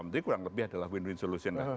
mungkin kurang lebih adalah win win solution lah